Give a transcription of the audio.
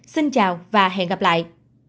xin chào và hẹn gặp lại